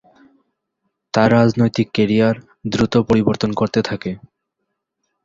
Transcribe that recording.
তার রাজনৈতিক ক্যারিয়ার দ্রুত পরিবর্তন করতে থাকে।